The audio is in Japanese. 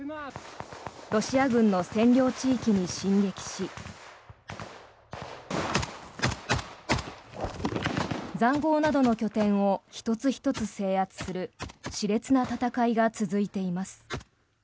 ロシア軍の占領地域に進撃し塹壕などの拠点を１つ１つ制圧する熾烈な戦いが続いています。